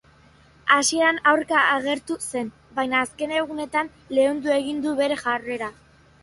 Hasieran aurka agertu zen, baina azken egunetan leundu egin du bere jarrera.